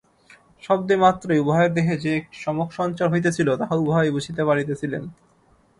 শব্দ মাত্রেই উভয়ের দেহে যে একটি চমক-সঞ্চার হইতেছিল, তাহা উভয়েই বুঝিতে পারিতেছিলেন।